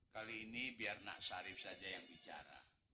kali ini biar nak sarif saja yang bicara